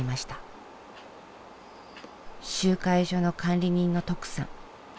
集会所の管理人の徳さん。